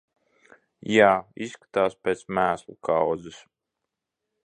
Jā, izskatās pēc mēslu kaudzes.